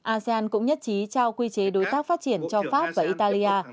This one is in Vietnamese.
asean cũng nhất trí trao quy chế đối tác phát triển cho pháp và italia